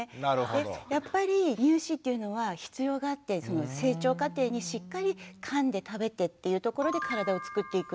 でやっぱり乳歯というのは必要があって成長過程にしっかりかんで食べてっていうところで体をつくっていくので。